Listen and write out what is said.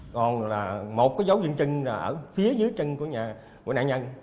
còn là một cái dấu viên chân ở phía dưới chân của nhà của nạn nhân